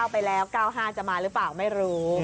ไปแล้ว๙๕จะมาหรือเปล่าไม่รู้